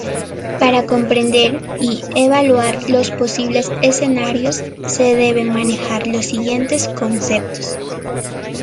Para comprender y evaluar los posibles escenarios, se deben manejar los siguientes conceptos.